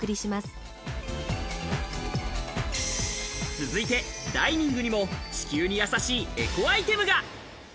続いてダイニングにも地球に優しいエコアイテムが！